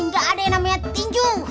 nggak ada yang namanya tinju